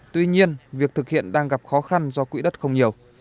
tuy nhiên việc thực hiện đang gặp khó khăn do quỹ đất không nhiều